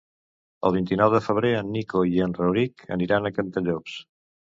El vint-i-nou de febrer en Nico i en Rauric aniran a Cantallops.